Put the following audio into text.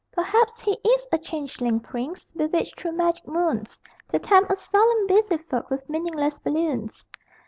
Perhaps he is a changeling prince Bewitched through magic moons To tempt us solemn busy folk With meaningless balloons.